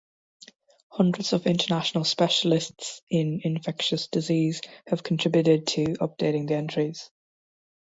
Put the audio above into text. Hundreds of international specialists in infectious disease have contributed to updating the entries.